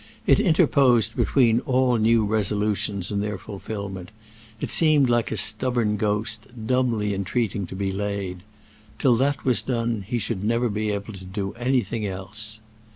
It interposed between all new resolutions and their fulfillment; it seemed like a stubborn ghost, dumbly entreating to be laid. Till that was done he should never be able to do anything else.